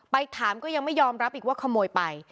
ไปถามก็ยังไม่ยอมรับอีกว่าขโมยไป